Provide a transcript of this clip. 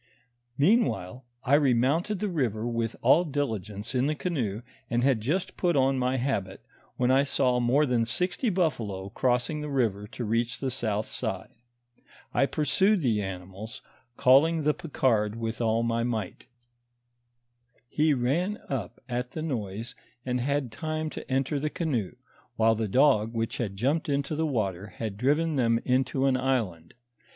Meanwhile I remounted the river with all diligence in the canoe, and had just put on my habit, when I saw more than sixty buf falo crossing the river to reach the south side ; I pursued the animals, calling the Picard with all my might ; he ran up at i'.'f« ; 186 NAEEATIVE OF FATHER HENNEPIN. ""iyi' !;'! ;i li "s the noise and had time to enter the canoe, while the dog which had jumped into the water had driven them into an island.